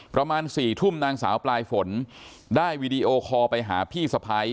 ประมาณ๔ทุ่มนางสาวปลายฝนได้วีดีโอคอลไปหาพี่สะพ้าย